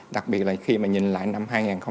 đặc biệt là khi mà nhìn lại năm hai nghìn hai mươi